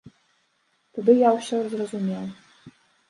Тады я ўсё зразумеў.